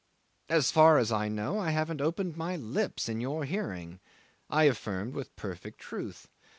'"As far as I know, I haven't opened my lips in your hearing," I affirmed with perfect truth.